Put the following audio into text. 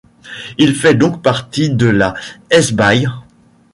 Il fait donc partie de la Hesbaye.